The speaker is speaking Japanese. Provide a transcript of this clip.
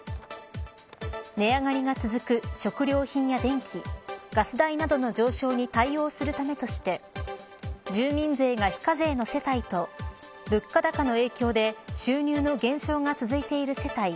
値上がりが続く食料品や電気、ガス代などの上昇に対応するためとして住民税が非課税の世帯と物価高の影響で収入の減少が続いている世帯